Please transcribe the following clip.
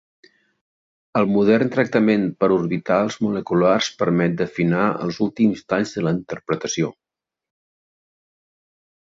El modern tractament per orbitals moleculars permet d'afinar els últims detalls de la interpretació.